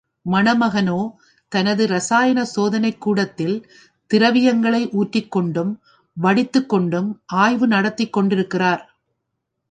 மணமகனோ தமது ரசாயன சோதனைக் கூடத்தில், திரவங்களை ஊற்றிக் கொண்டும் வடித்துக் கொண்டும் ஆய்வு நடத்திக் கொண்டிருக்கிறார்.